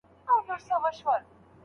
ښایي اوږده ډوډۍ ماڼۍ ته وړل سوې وي.